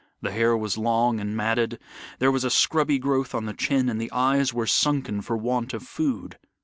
The hair was long and matted, there was a scrubby growth on the chin, and the eyes were sunken for want of food.